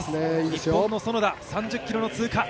日本の園田、３０ｋｍの通過。